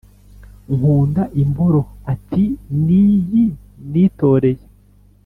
nkunda imboro, ati n'iyi nitoreye!!!